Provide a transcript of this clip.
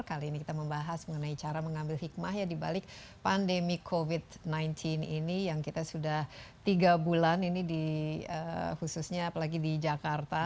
kali ini kita membahas mengenai cara mengambil hikmah ya dibalik pandemi covid sembilan belas ini yang kita sudah tiga bulan ini khususnya apalagi di jakarta